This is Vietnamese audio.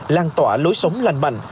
làn tỏa lối sống lành mạnh